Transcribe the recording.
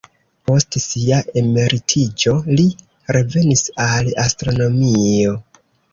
Post sia emeritiĝo, li revenis al astronomio.